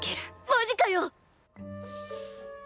マジかよ！